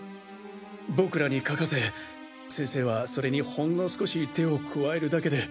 僕らに書かせ先生はそれにほんの少し手を加えるだけで。